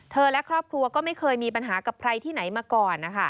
และครอบครัวก็ไม่เคยมีปัญหากับใครที่ไหนมาก่อนนะคะ